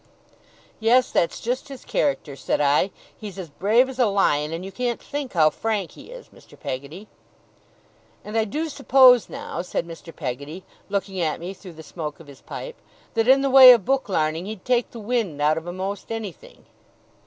'Yes! That's just his character,' said I. 'He's as brave as a lion, and you can't think how frank he is, Mr. Peggotty.' 'And I do suppose, now,' said Mr. Peggotty, looking at me through the smoke of his pipe, 'that in the way of book larning he'd take the wind out of a'most anything.